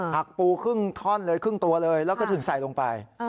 ปูครึ่งท่อนเลยครึ่งตัวเลยแล้วก็ถึงใส่ลงไป